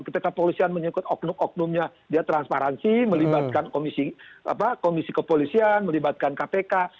ketika kepolisian menyangkut oknum oknumnya dia transparansi melibatkan komisi kepolisian melibatkan kpk